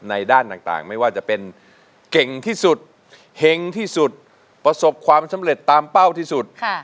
ด้านต่างไม่ว่าจะเป็นเก่งที่สุดเห็งที่สุดประสบความสำเร็จตามเป้าที่สุด